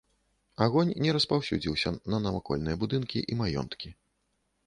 Агонь не распаўсюдзіўся на навакольныя будынкі і маёнткі.